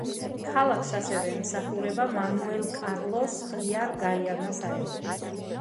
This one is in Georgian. ქალაქს ასევე ემსახურება მანუელ კარლოს პიარ გაიანას აეროპორტი.